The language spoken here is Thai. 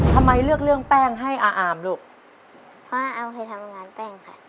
ทำไมเลือกเรื่องแป้งให้อาอามลูกอามให้ทำงานแป้งค่ะ